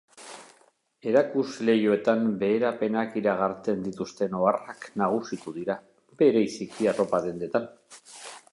Erakusleihoetan beherapenak iragartzen dituzten oharrak nagusitu dira, bereziki, arropa dendetan.